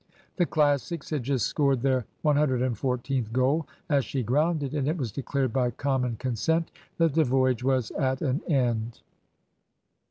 The Classics had just scored their 114th goal as she grounded, and it was declared by common consent that the voyage was at an end.